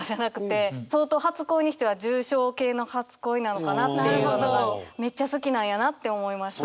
相当初恋にしては重症系の初恋なのかなっていうのがめっちゃ好きなんやなって思いました。